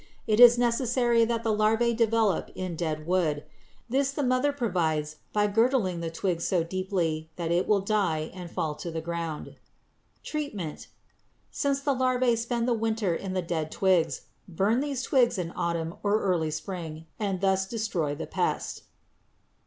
It is necessary that the larvæ develop in dead wood. This the mother provides by girdling the twig so deeply that it will die and fall to the ground. Treatment. Since the larvæ spend the winter in the dead twigs, burn these twigs in autumn or early spring and thus destroy the pest.